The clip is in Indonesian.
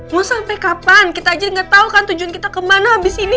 mau sampe kapan kita aja gak tau kan tujuan kita kemana habis ini